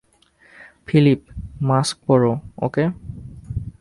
Philip, mask পরো, ওকে?